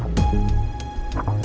terima kasih pak chandra